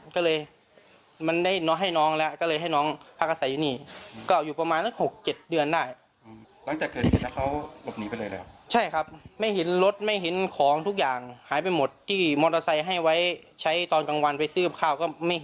ก็เลยมันได้น้องให้น้องแล้ว